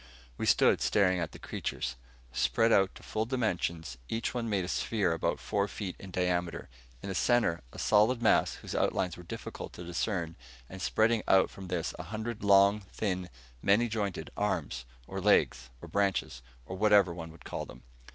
We stood staring at the creatures. Spread out to full dimensions, each one made a sphere about four feet in diameter. In the center, a solid mass whose outlines were difficult to discern; and spreading out from this a hundred long, thin, many jointed arms or legs or branches or whatever one could call them.